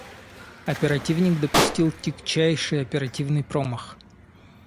Оперативник допустил тягчайший оперативный промах.